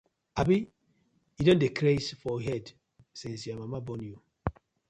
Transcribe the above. Abi yu don dey craze for head since yur mama born yu.